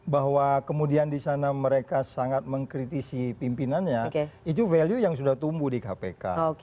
bahwa kemudian di sana mereka sangat mengkritisi pimpinannya itu value yang sudah tumbuh di kpk